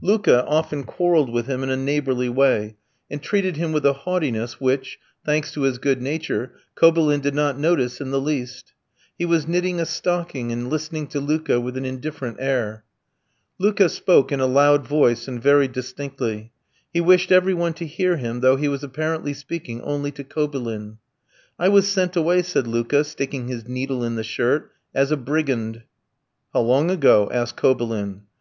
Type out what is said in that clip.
Luka often quarrelled with him in a neighbourly way, and treated him with a haughtiness which, thanks to his good nature, Kobylin did not notice in the least. He was knitting a stocking, and listening to Luka with an indifferent air. Luka spoke in a loud voice and very distinctly. He wished every one to hear him, though he was apparently speaking only to Kobylin. "I was sent away," said Luka, sticking his needle in the shirt, "as a brigand." "How long ago?" asked Kobylin.